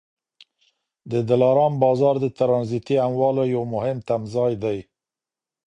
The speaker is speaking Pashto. د دلارام بازار د ټرانزیټي اموالو یو مهم تمځای دی.